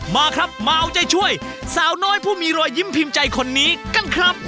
มาครับมาเอาใจช่วยสาวน้อยผู้มีรอยยิ้มพิมพ์ใจคนนี้กันครับ